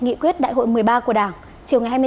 nghị quyết đại hội một mươi ba của đảng chiều ngày